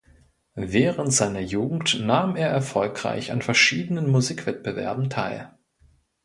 Während seiner Jugend nahm er erfolgreich an verschiedenen Musikwettbewerben teil.